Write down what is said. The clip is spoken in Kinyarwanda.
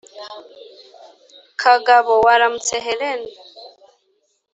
kagabo: waramutse helen.